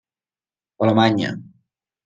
Alemanya.